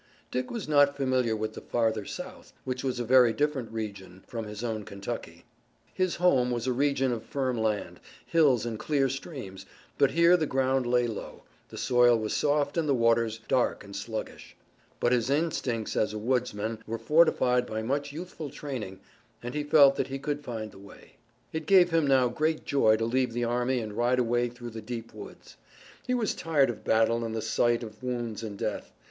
Dick was not familiar with the farther South, which was a very different region from his own Kentucky. His home was a region of firm land, hills and clear streams, but here the ground lay low, the soil was soft and the waters dark and sluggish. But his instincts as a woodsman were fortified by much youthful training, and he felt that he could find the way. It gave him now great joy to leave the army and ride away through the deep woods. He was tired of battle and the sight of wounds and death.